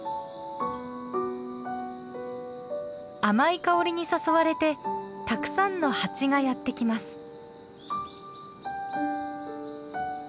甘い香りに誘われてたくさんの蜂がやって来ます。